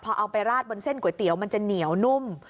พอเอาไปราดบนเส้นก๋วยเตี๋ยวมันจะเหนียวนุ่ม